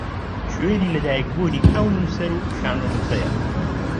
شوێنی لە دایکبوونی ئەو نووسەر و شانۆنووسەیە